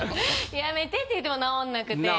やめてって言っても直んなくて。